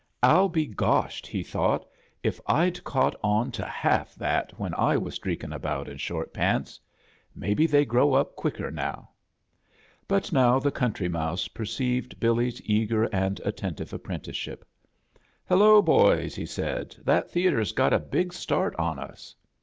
"Ill be goshed," he thought, "if Fd caught on to half that when I was streak in' around in short paatsi Maybe they grow up quicker now." But now the Coun try Mouse perceived Billy's ei^:er and at tentive apprenticeship. "HeKcboysl" he said, " that theatre's got a big start on us."